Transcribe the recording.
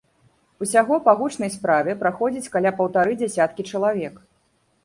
Усяго па гучнай справе праходзіць каля паўтары дзясяткі чалавек.